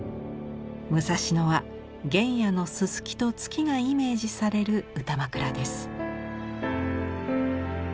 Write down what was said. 武蔵野は原野のすすきと月がイメージされる歌枕です。